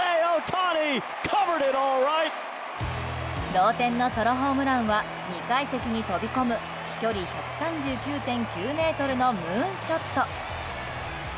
同点のソロホームランは２階席に飛び込む飛距離１３９．９ｍのムーンショット。